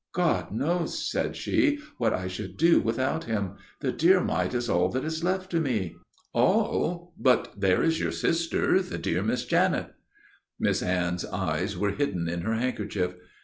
"God knows," said she, "what I should do without him. The dear mite is all that is left to me." "All? But there is your sister, the dear Miss Janet." Miss Anne's eyes were hidden in her handkerchief.